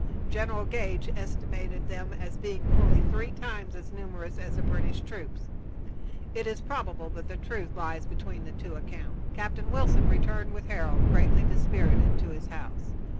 General Gage estimated them as being fully three times as numerous as the British troops. It is probable that the truth lies between the two accounts. Captain Wilson returned with Harold, greatly dispirited, to his house.